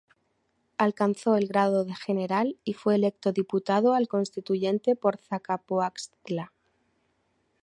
Alcanzó el grado de general y fue electo diputado al Constituyente por Zacapoaxtla.